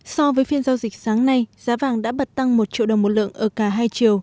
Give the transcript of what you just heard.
so với phiên giao dịch sáng nay giá vàng đã bật tăng một triệu đồng một lượng ở cả hai chiều